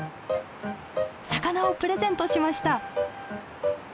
魚をプレゼントしました。